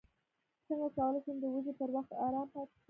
څنګه کولی شم د وږي پر وخت ارام پاتې شم